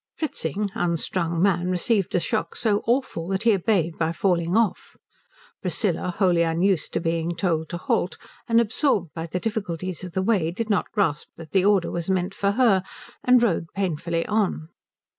Fritzing, unstrung man, received a shock so awful that he obeyed by falling off. Priscilla, wholly unused to being told to halt and absorbed by the difficulties of the way, did not grasp that the order was meant for her and rode painfully on.